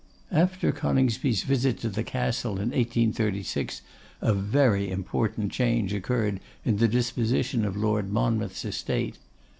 After Coningsby's visit to the Castle in 1836 a very important change occurred in the disposition of Lord Monmouth's estate.